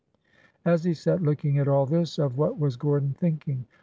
As he sat looking at all this, of what was Gordon thinking